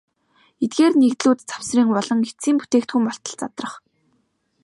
Эдгээр нэгдлүүд завсрын болон эцсийн бүтээгдэхүүн болтол задрах.